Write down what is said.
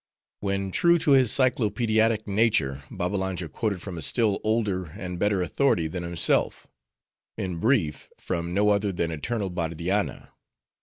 When true to his cyclopaediatic nature, Babbalanja quoted from a still older and better authority than himself; in brief, from no other than eternal Bardianna.